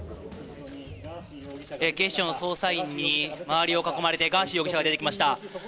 警視庁の捜査員に周りを囲まれて、ガーシー容疑者が出てきました。